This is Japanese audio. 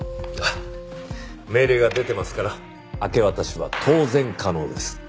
命令は出てますから明け渡しは当然可能です。